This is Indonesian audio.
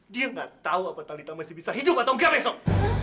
dia nggak tahu apa talita masih bisa hidup atau enggak besok